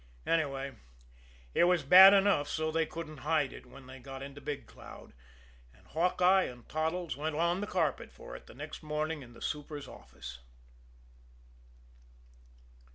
Anyway, it was bad enough so that they couldn't hide it when they got into Big Cloud and Hawkeye and Toddles went on the carpet for it the next morning in the super's office.